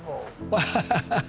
アハハハ。